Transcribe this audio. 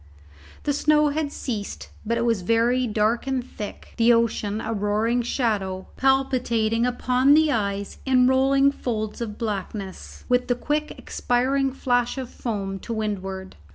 The snow had ceased; but it was very dark and thick, the ocean a roaring shadow, palpitating upon the eyes in rolling folds of blackness, with the quick expiring flash of foam to windward.